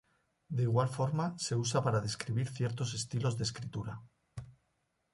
De igual forma, se usa para describir ciertos estilos de escritura.